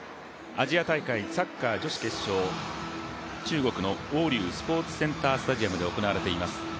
アジア大会、サッカー女子決勝、中国の黄龍スポーツセンタースタジアムで行われています。